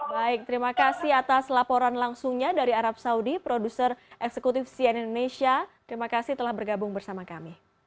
baik terima kasih atas laporan langsungnya dari arab saudi produser eksekutif cn indonesia terima kasih telah bergabung bersama kami